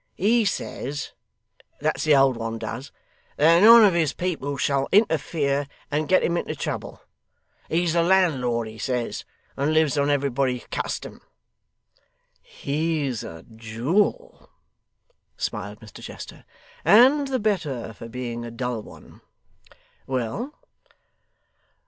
He says (that's the old one does) that none of his people shall interfere and get him into trouble. He's a landlord, he says, and lives on everybody's custom.' 'He's a jewel,' smiled Mr Chester, 'and the better for being a dull one. Well?